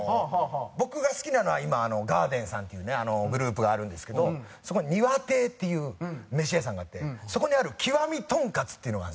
僕が好きなのは今ガーデンさんっていうねグループがあるんですけどそこに庭亭っていう飯屋さんがあってそこにある極みとんかつっていうのがあるんですよ。